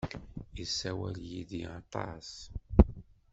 Yessawal yid-i aṭas.